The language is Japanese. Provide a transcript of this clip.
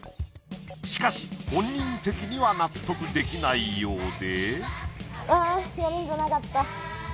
しかし本人的には納得できないようで。